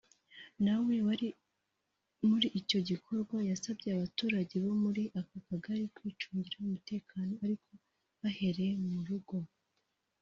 na we wari muri icyo gikorwa yasabye abaturage bo muri ako Kagari kwicungira umutekano ariko bahereye mu rugo